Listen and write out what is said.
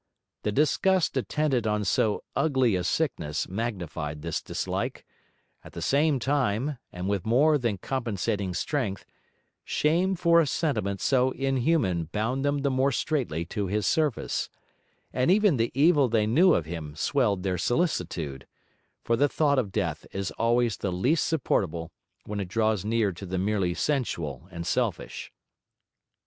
The disgust attendant on so ugly a sickness magnified this dislike; at the same time, and with more than compensating strength, shame for a sentiment so inhuman bound them the more straitly to his service; and even the evil they knew of him swelled their solicitude, for the thought of death is always the least supportable when it draws near to the merely sensual and selfish.